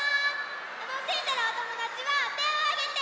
たのしんでるおともだちはてをあげて！